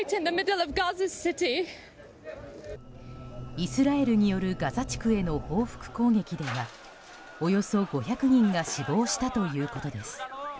イスラエルによるガザ地区への報復攻撃ではおよそ５００人が死亡したということです。